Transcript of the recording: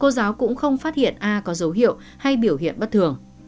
cô giáo cũng không phát hiện ai có dấu hiệu hay biểu hiện bất thường